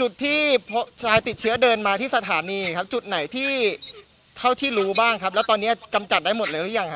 จุดที่ชายติดเชื้อเดินมาที่สถานีครับจุดไหนที่เท่าที่รู้บ้างครับแล้วตอนนี้กำจัดได้หมดเลยหรือยังฮ